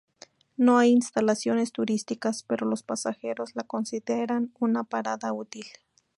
No hay instalaciones turísticas, pero los pasajeros la consideran una parada útil.